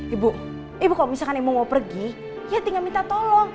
ibu ibu kalau misalkan ibu mau pergi ya tinggal minta tolong